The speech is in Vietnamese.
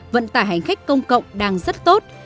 vận tải hành khách công cộng đang rất tốt